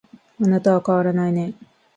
あなたは変わらないね